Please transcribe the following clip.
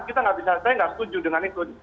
kita nggak bisa saya nggak setuju dengan itu